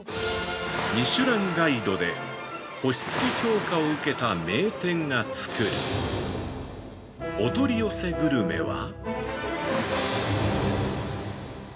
◆ミシュランガイドで星付き評価を受けた名店が作るお取り寄せグルメは◆